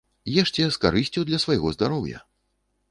Ешце з карысцю для свайго здароўя!